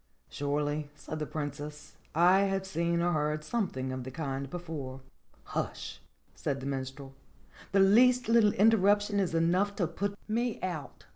"Surely," said the Princess, "I have seen or read something of the kind before." "Hush !" said the Minstrel. "The least little inter ruption is enough to put me out.